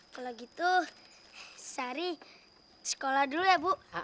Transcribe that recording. kalau gitu sari sekolah dulu ya bu